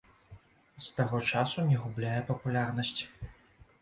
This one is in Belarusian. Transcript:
З таго часу не губляе папулярнасць.